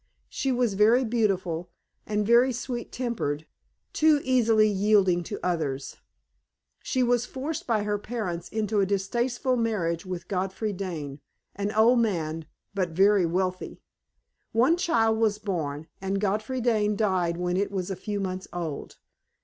She was very beautiful, and very sweet tempered too easily yielding to others. She was forced by her parents into a distasteful marriage with Godfrey Dane, an old man, but very wealthy. One child was born, and Godfrey Dane died when it was a few months old.